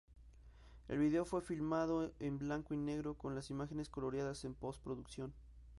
El video fue filmado en blanco y negro con las imágenes coloreadas en post-producción.